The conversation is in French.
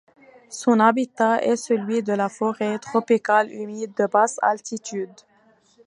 Son habitat est celui de la forêt tropicale humide de basse altitude.